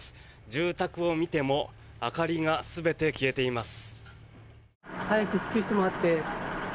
住宅を見ても明かりが全て消えています。